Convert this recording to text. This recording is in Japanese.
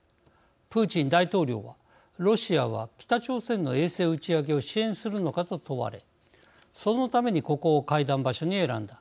プーチン大統領はロシアは北朝鮮の衛星打ち上げを支援するのかと問われそのためにここを会談場所に選んだ。